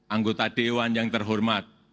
anggota dewan yang terhormat